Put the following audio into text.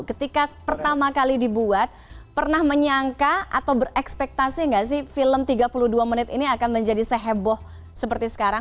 ketika pertama kali dibuat pernah menyangka atau berekspektasi nggak sih film tiga puluh dua menit ini akan menjadi seheboh seperti sekarang